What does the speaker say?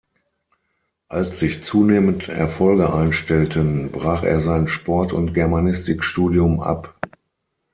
Als sich zunehmend Erfolge einstellten, brach er sein Sport- und Germanistikstudium ab.